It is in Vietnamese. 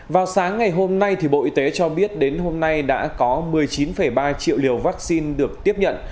vào sáng ngày hôm nay bộ y tế cho biết đến hôm nay đã có một mươi chín ba triệu liều vaccine được tiếp nhận